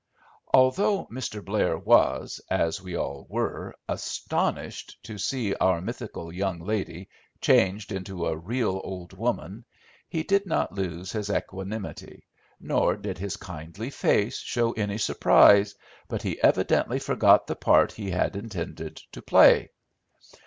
Although Mr. Blair was, as we all were, astonished to see our mythical young lady changed into a real old woman, he did not lose his equanimity, nor did his kindly face show any surprise, but he evidently forgot the part he had intended to play.